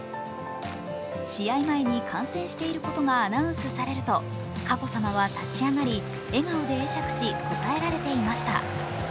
試合前に観戦していることがアナウンスされると佳子さまは立ち上がり笑顔で会釈し応えられていました。